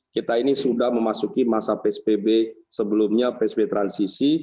kita ini sudah memasuki masa psbb sebelumnya psbb transisi